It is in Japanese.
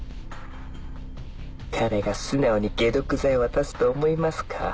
彼が素直に解毒剤を渡すと思いますか？